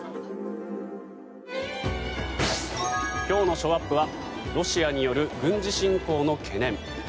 今日のショーアップはロシアによる軍事侵攻の懸念。